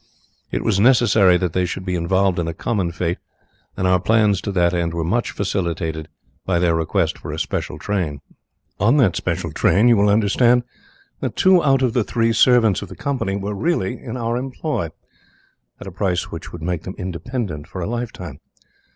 It was necessary that they should be involved in a common fate, and our plans to that end were much facilitated by their request for a special train. On that special train you will understand that two out of the three servants of the company were really in our employ, at a price which would make them independent for a lifetime.